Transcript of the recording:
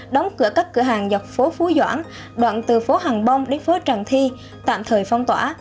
đóng cửa các cửa hàng dọc phố phú doãn đoạn từ phố hàng bông đến phố tràng thi tạm thời phong tỏa